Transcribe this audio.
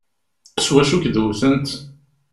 S wacu i k-id-wtent?